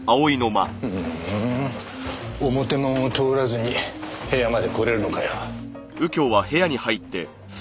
ふん表門を通らずに部屋まで来れるのかよ。